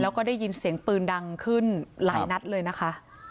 แล้วก็ได้ยินเสียงปืนดังขึ้นหลายนัดเลยนะคะ